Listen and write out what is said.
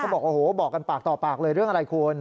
บอกโอ้โหบอกกันปากต่อปากเลยเรื่องอะไรคุณ